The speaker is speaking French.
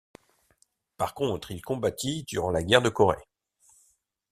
Par contre, il combattit durant la guerre de Corée.